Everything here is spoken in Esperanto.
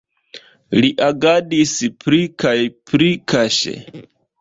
Li agadis pli kaj pli kaŝe.